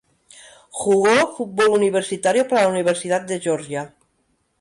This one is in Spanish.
Jugó fútbol universitario para la universidad de Georgia.